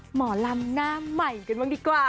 หมอลำหน้าใหม่กันบ้างดีกว่า